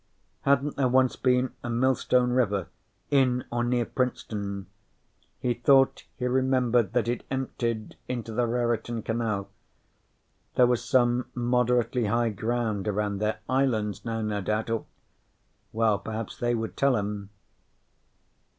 Hadn't there once been a Millstone River in or near Princeton? He thought he remembered that it emptied into the Raritan Canal. There was some moderately high ground around there. Islands now, no doubt, or well, perhaps they would tell him.